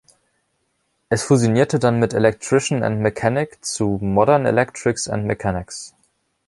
Es fusionierte dann mit „Electrician and Mechanic“ zu „Modern Electrics and Mechanics“.